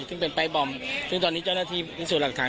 ซึ่งเป็นไปร์บอมซึ่งตอนนี้จ้านาทีศูนย์หลักทาง